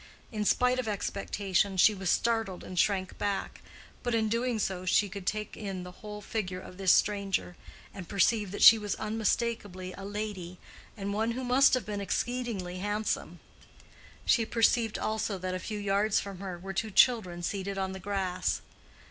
In spite of expectation, she was startled and shrank bank, but in doing so she could take in the whole figure of this stranger and perceive that she was unmistakably a lady, and one who must have been exceedingly handsome. She perceived, also, that a few yards from her were two children seated on the grass.